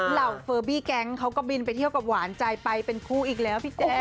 เหล่าเฟอร์บี้แก๊งเขาก็บินไปเที่ยวกับหวานใจไปเป็นคู่อีกแล้วพี่แจ๊ค